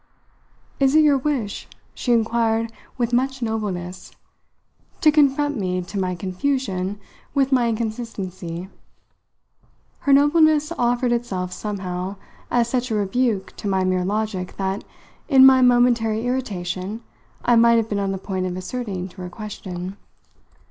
"Is it your wish," she inquired with much nobleness, "to confront me, to my confusion, with my inconsistency?" Her nobleness offered itself somehow as such a rebuke to my mere logic that, in my momentary irritation, I might have been on the point of assenting to her question.